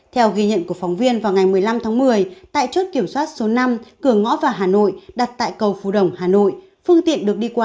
theo ghi nhận của phóng viên vào ngày một mươi năm tháng một mươi tại chốt kiểm soát số năm cửa ngõ vào hà nội đặt tại cầu phú đồng hà nội